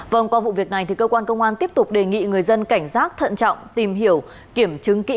vâng qua vụ việc này thì cơ quan công an tiếp tục đề nghị người dân cảnh giác thận trọng tìm hiểu kiểm chứng kỹ